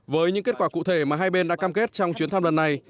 với những kết quả cụ thể mà hai bên đã cam kết trong chuyến thăm lần này